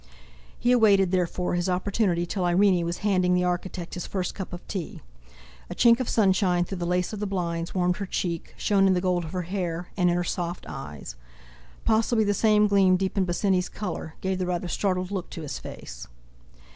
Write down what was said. He awaited, therefore, his opportunity till Irene was handing the architect his first cup of tea. A chink of sunshine through the lace of the blinds warmed her cheek, shone in the gold of her hair, and in her soft eyes. Possibly the same gleam deepened Bosinney's colour, gave the rather startled look to his face.